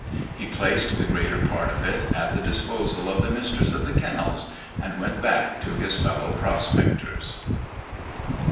He placed the greater part of it at the disposal of the Mistress of the Kennels, and went back to his fellow prospectors.